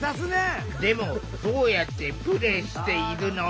でもどうやってプレイしているの？